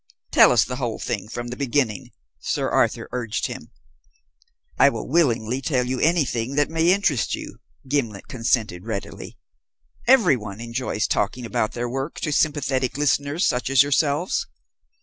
"Tell us the whole thing from the beginning," Sir Arthur urged him. "I will willingly tell you anything that may interest you," Gimblet consented readily. "Every one enjoys talking about their work to sympathetic listeners such as yourselves.